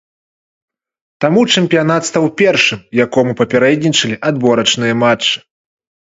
Таму чэмпіянат стаў першым, якому папярэднічалі адборачныя матчы.